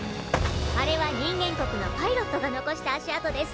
あれは人間国のパイロットが残した足跡です。